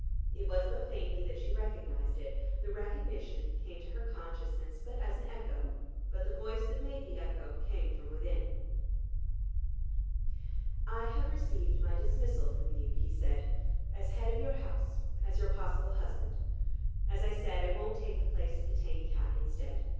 It was but faintly that she recognized it; the recognition came to her consciousness but as an echo. But the voice that made the echo came from within. "I have received my dismissal from you," he said, "as head of your house, as your possible husband. As I said, I won't take the place of the tame cat instead.